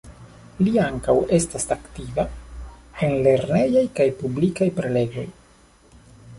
Li ankaŭ estas aktiva en lernejaj kaj publikaj prelegoj.